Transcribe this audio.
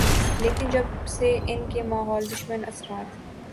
لیکن جب سے ان کے ماحول دشمن اثرات